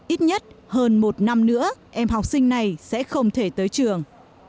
ít nhất hơn một năm nữa em học sinh này sẽ không thể tới trường